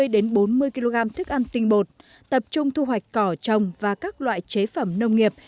hai mươi bốn mươi kg thức ăn tinh bột tập trung thu hoạch cỏ trồng và các loại chế phẩm nông nghiệp